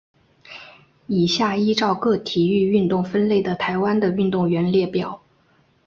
以下依照各体育运动分类的台湾的运动员列表。